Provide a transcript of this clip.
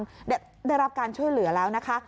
หรือยังได้รับการช่วยเหลือแล้วนะคะ